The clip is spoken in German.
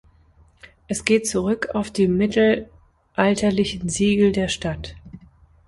Es geht zurück auf die mittelalterlichen Siegel der Stadt.